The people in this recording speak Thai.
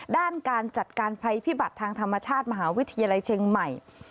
ด้านการจัดการภัยพิบัติทางธรรมชาติมหาวิทยาลัยเชียงใหม่